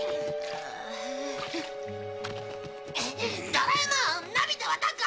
ドラえもんのび太はどこ？